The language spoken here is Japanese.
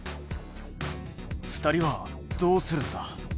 ２人はどうするんだ？